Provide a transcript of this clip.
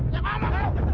ya apaan ya